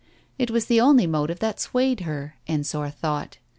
It was the only motive that swayed her, Ensor thought.